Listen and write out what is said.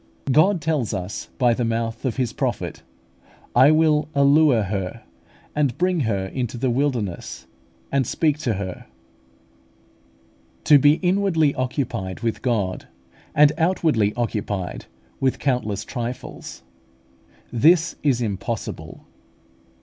God tells us by the mouth of His prophet, "I will allure her, and bring her into the wilderness, and speak to her heart" (marginal reading of Hosea ii. 14). To be inwardly occupied with God, and outwardly occupied with countless trifles, this is impossible.